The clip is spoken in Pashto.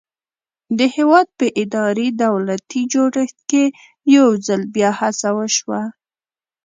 د هېواد په اداري دولتي جوړښت کې یو ځل بیا هڅه وشوه.